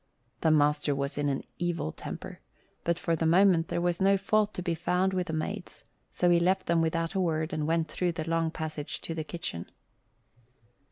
The master was in an evil temper, but for the moment there was no fault to be found with the maids, so he left them without a word and went through the long passage to the kitchen.